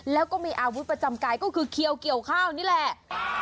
แล้วก็มีอาวุธประจำกายก็คือเขียวเกี่ยวข้าวนี่แหละ